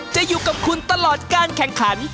จะอยู่กับคุณตลอดการแข่งขัน